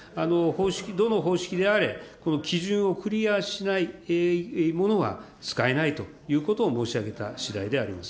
どの方式であれ、この基準をクリアしないものは使えないということを申し上げたしだいであります。